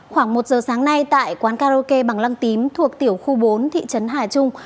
khoảng một giờ sáng nay tại quán karaoke bằng lăng tím thuộc tiểu khu bốn thị trấn hà trung